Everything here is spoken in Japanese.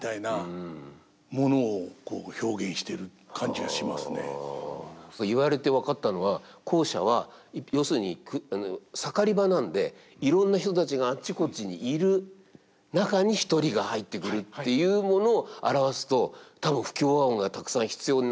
何かそういう逆に２つ目の方は何か本当に言われて分かったのは後者は要するに盛り場なんでいろんな人たちがあっちこっちにいる中に１人が入ってくるっていうものを表すと多分不協和音がたくさん必要になりますよね。